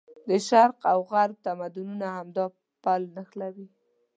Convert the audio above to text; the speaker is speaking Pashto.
د شرق او غرب تمدونونه همدا پل نښلوي.